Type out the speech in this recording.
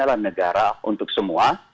adalah negara untuk semua